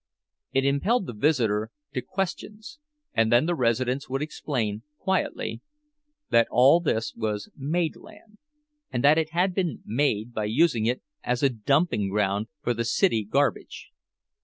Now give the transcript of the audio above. It impelled the visitor to questions and then the residents would explain, quietly, that all this was "made" land, and that it had been "made" by using it as a dumping ground for the city garbage.